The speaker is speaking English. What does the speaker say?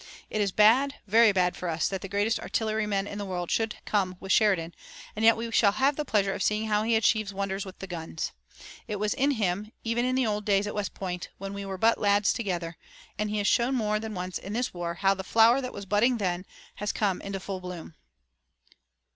It is bad, very bad for us that the greatest artilleryman in the world should come with Sheridan, and yet we shall have the pleasure of seeing how he achieves wonders with the guns. It was in him, even in the old days at West Point, when we were but lads together, and he has shown more than once in this war how the flower that was budding then has come into full bloom."